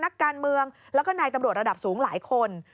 นักการเมืองแล้วก็นายตำรวจระดับสูงหลายคน